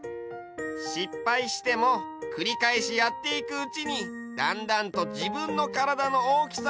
しっぱいしてもくりかえしやっていくうちにだんだんと自分の体の大きさが分かるんだね！